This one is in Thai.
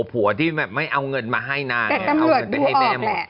ผัวที่แบบไม่เอาเงินมาให้แม่แหม่